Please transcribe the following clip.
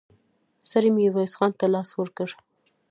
سړي ميرويس خان ته لاس ورکړ.